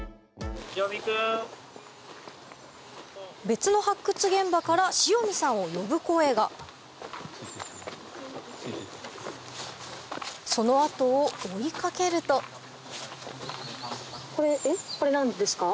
別の発掘現場から塩見さんを呼ぶ声がその後を追い掛けるとこれ何ですか？